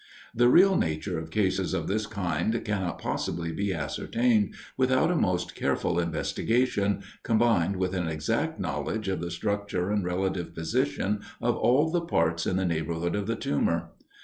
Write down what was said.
The real nature of cases of this kind cannot possibly be ascertained, without a most careful investigation, combined with an exact knowledge of the structure and relative position of all the parts in the neighborhood of the tumor.